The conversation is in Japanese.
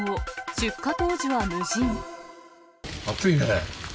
出火当時は無人。